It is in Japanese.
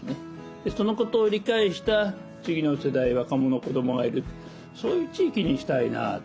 そのことを理解した次の世代若者子どもがいるそういう地域にしたいなと。